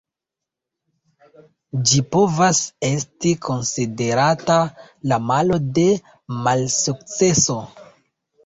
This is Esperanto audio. Ĝi povas esti konsiderata la malo de malsukceso.